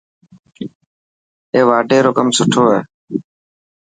ائي واڍي رو ڪم سٺو هي.